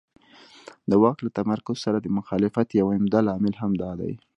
د واک له تمرکز سره د مخالفت یو عمده لامل همدا دی.